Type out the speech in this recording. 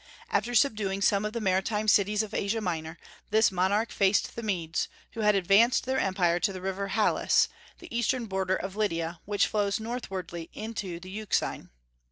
After subduing some of the maritime cities of Asia Minor, this monarch faced the Medes, who had advanced their empire to the river Halys, the eastern boundary of Lydia, which flows northwardly into the Euxine.